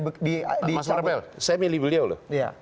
mas marpel saya milih beliau loh